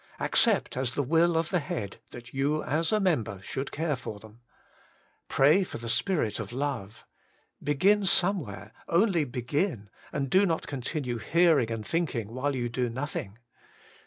Accept as the will of the Head that you as a mem ber should care for them. Pray for the Spirit of love. Begin somewhere — only begin, and do not continue hearing and thinking while you do nothing.